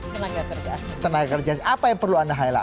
tenaga kerja tenaga kerja apa yang perlu anda highlight